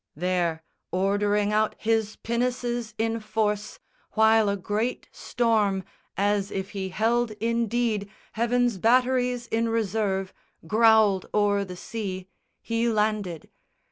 There, ordering out his pinnaces in force, While a great storm, as if he held indeed Heaven's batteries in reserve, growled o'er the sea, He landed.